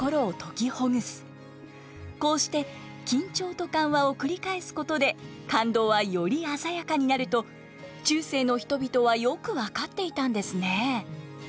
こうして緊張と緩和を繰り返すことで感動はより鮮やかになると中世の人々はよく分かっていたんですね。